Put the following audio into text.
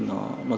nó mở vung